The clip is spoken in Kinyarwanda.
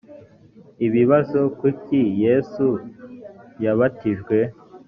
ibibazo kuki yesu yabatijwe